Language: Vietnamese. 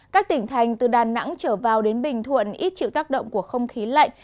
các tỉnh thành từ đà nẵng trở vào đến bình thuận ít chịu tác động của không khí lạnh